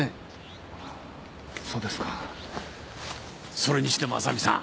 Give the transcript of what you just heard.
それにしても浅見さん。